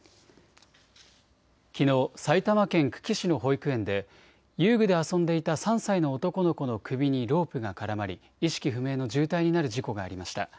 きのう、埼玉県久喜市の保育園で、遊具で遊んでいた３歳の男の子の首にロープが絡まり、意識不明の重体になる事故がありました。